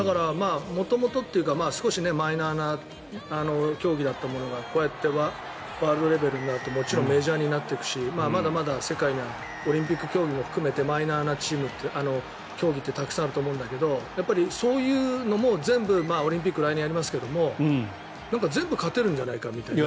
元々っていうか少しマイナーな競技だったものがこうやってワールドレベルになってもちろんメジャーになっていくしまだまだ世界にはオリンピック競技も含めてマイナーな競技ってたくさんあると思うんだけどやっぱりそういうのも全部オリンピック来年やりますが全部勝てるんじゃないかみたいな。